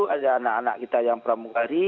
ada anak anak kita yang pramugari